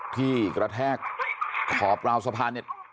ที่กระแทกขอบราวสะพานเนี่ย